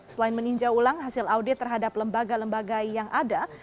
selain meninjau ulang hasil audit terhadap lembaga lembaga yang ada